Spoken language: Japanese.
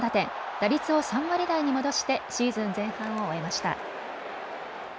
打率を３割台に戻してシーズン前半を終えました。